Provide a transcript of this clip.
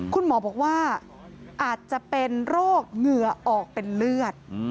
คุณหมอบอกว่าอาจจะเป็นโรคเหงื่อออกเป็นเลือด